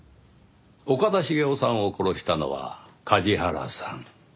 岡田茂雄さんを殺したのは梶原さん。